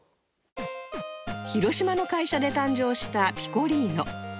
広島の会社で誕生したピコリーノ